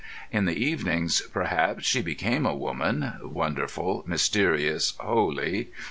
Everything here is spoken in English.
In the evenings perhaps she became a woman ... wonderful, mysterious, holy